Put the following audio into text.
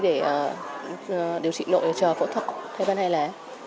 để điều trị nội chờ phẫu thuật thay van hai lá